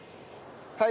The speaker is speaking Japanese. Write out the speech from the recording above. はい。